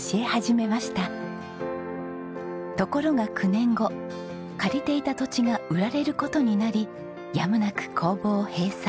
ところが９年後借りていた土地が売られる事になりやむなく工房を閉鎖。